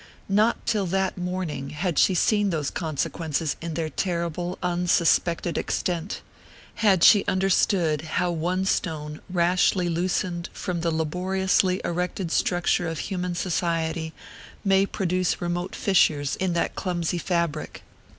Not till that morning had she seen those consequences in their terrible, unsuspected extent, had she understood how one stone rashly loosened from the laboriously erected structure of human society may produce remote fissures in that clumsy fabric.